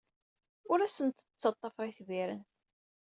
Ur asent-d-ttaḍḍafeɣ itbiren.